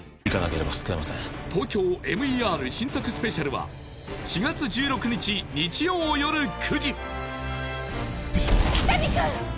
「ＴＯＫＹＯＭＥＲ」新作スペシャルは４月１６日日曜よる９時・喜多見君！